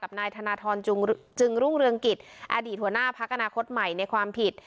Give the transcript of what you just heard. นายธนทรจึงรุ่งเรืองกิจอดีตหัวหน้าพักอนาคตใหม่ในความผิด